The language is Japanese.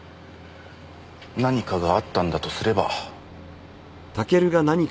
何かがあったんだとすれば。